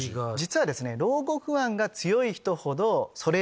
実はですね。